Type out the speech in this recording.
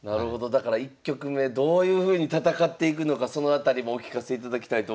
だから１局目どういうふうに戦っていくのかその辺りもお聞かせいただきたいと思います。